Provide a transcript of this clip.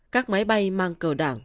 các máy bay mang cầu đảm